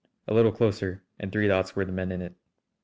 A little closer and three dots were the men in it.